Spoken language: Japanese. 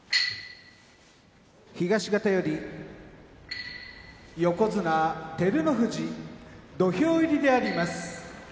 東方より横綱照ノ富士土俵入りであります。